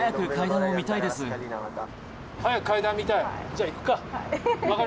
じゃあ、行くか。